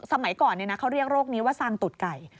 สมัยก่อนเขาเรียกโรคนี้ว่าซางตุดไก่